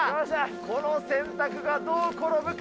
この選択がどう転ぶか。